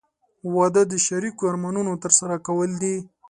• واده د شریکو ارمانونو ترسره کول دي.